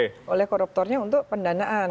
karena ada koruptornya untuk pendanaan